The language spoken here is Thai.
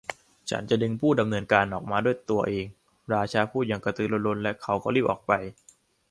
'ฉันจะดึงผู้ดำเนินการออกมาด้วยตัวเอง' ราชาพูดอย่างกระตือรือร้นและเขาก็รีบออกไป